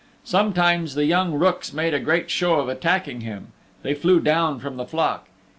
Sometimes the young rooks made a great show of attacking him. They flew down from the flock.